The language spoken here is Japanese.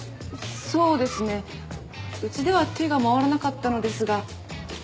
そうですねうちでは手が回らなかったのですが。